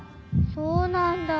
そうなんだ。